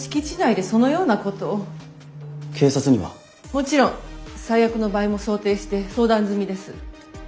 もちろん最悪の場合も想定して相談済みです。